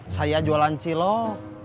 saya jualan cilok